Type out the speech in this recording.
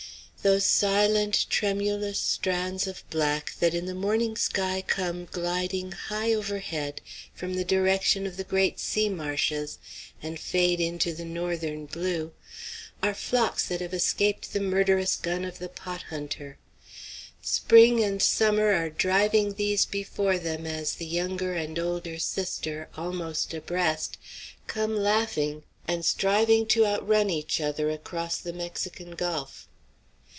Those silent, tremulous strands of black that in the morning sky come gliding, high overhead, from the direction of the great sea marshes and fade into the northern blue, are flocks that have escaped the murderous gun of the pot hunter. Spring and Summer are driving these before them as the younger and older sister, almost abreast, come laughing, and striving to outrun each other across the Mexican Gulf.